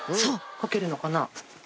かけるのかな？